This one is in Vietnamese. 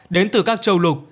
đến từ các châu lục